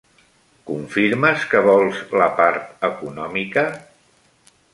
Confirmes que vols la part econòmica?